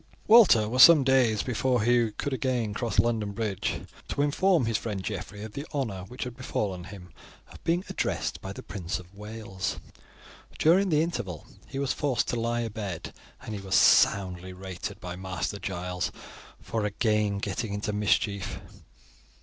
Walter was some days before he could again cross London Bridge to inform his friend Geoffrey of the honour which had befallen him of being addressed by the Prince of Wales. During the interval he was forced to lie abed, and he was soundly rated by Master Giles for again getting into mischief.